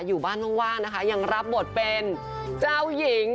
อยู่บ้านว่างนะคะยังรับบทเป็นเจ้าหญิง